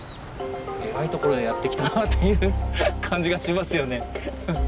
えらい所へやって来たなという感じがしますよね。